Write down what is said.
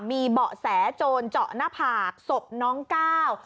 มีเบาะแสโจรเจาะหน้าผากศพน้องก้าว